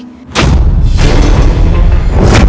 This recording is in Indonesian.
mari kita masuk lagi nek